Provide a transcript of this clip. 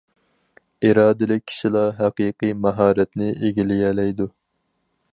ئىرادىلىك كىشىلا ھەقىقىي ماھارەتنى ئىگىلىيەلەيدۇ.